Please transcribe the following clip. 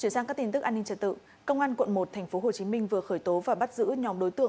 xin chào các bạn